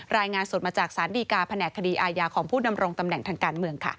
รายงานสดมาจากสารดีกาแผนกคดีอาญาของผู้ดำรงตำแหน่งทางการเมืองค่ะ